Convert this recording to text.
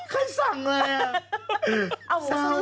ใครสั่งเลยอ่ะ